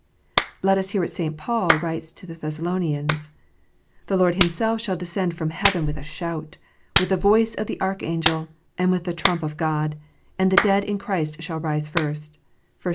Let us hear what St. Paul writes to the Thessalonians :" The Lord Himself shall descend from heaven with a shout, with the voice of the archangel, and with the trump of God : and the dead in Christ shall rise first."